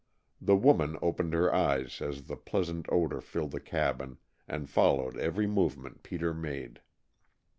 The woman opened her eyes as the pleasant odor filled the cabin, and followed every movement Peter made.